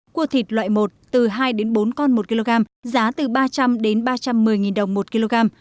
cua thịt loại một từ hai bốn con một kg giá từ ba trăm linh đến ba trăm một mươi đồng một kg